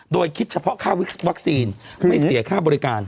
โดยคิดเฉพาะค่าวัคซีนไม่เสียค่าบริการ